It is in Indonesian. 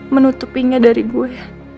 menutupinya dari gue